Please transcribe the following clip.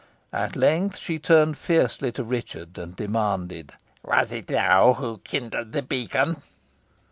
At length she turned fiercely to Richard, and demanded "Was it thou who kindled the beacon?"